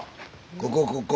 ここここ。